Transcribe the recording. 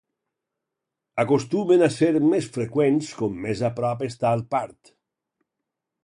Acostumen a ser més freqüents com més a prop està el part.